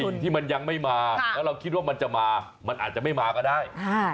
สิ่งที่มันยังไม่มาแล้วเราคิดว่ามันจะมามันอาจจะไม่มาก็ได้